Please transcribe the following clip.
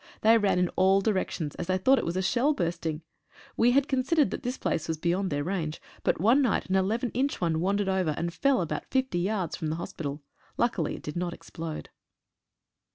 They ran in all directions, as they thought it was a shell bursting. We had considered that this place was beyond their range, but one night an 11 inch one wandered over, and fell about 50 yards from the hospital. Luckily it did not explode.